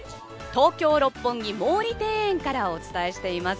東京・六本木毛利庭園からお伝えしています。